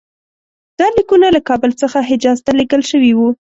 دا لیکونه له کابل څخه حجاز ته لېږل شوي وو.